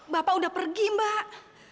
bapak udah pergi mbak